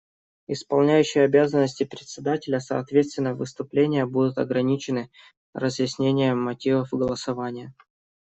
Исполняющий обязанности Председателя: Соответственно, выступления будут ограничены разъяснением мотивов голосования.